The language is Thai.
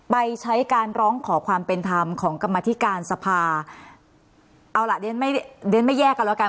ไปใช้การร้องขอความเป็นธรรมของกรรมธิการสภาเอาล่ะเรียนไม่เรียนไม่แยกกันแล้วกัน